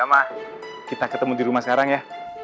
oke ma kita ketemu di rumah sekarang ya